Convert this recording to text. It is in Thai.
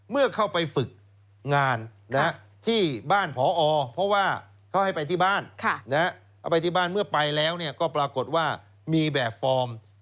เอาไปที่บ้านเมื่อไปแล้วก็ปรากฏว่ามีแบบฟอร์ม